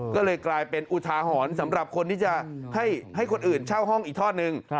ก็เลยกลายเป็นอุทาหรณ์สำหรับคนที่จะให้คนอื่นเช่าห้องอีกทอดนึง